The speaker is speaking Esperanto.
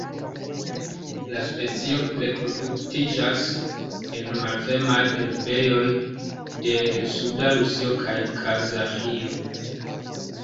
La specio reproduktiĝas en malfermaj herbejoj de suda Rusio kaj Kazaĥio.